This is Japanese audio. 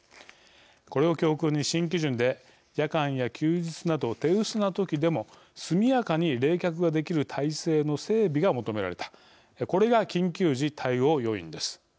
これを教訓に新基準で夜間や休日など手薄なときでも速やかに冷却ができる体制の整備が求められたこれが緊急時対応要員です。